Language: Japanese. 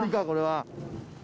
これは。